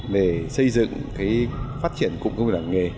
để xây dựng phát triển cụm công nghiệp làng nghề